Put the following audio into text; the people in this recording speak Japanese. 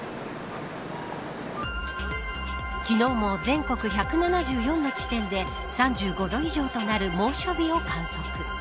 昨日も全国１７４の地点で３５度以上となる猛暑日を観測。